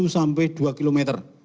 satu sampai dua km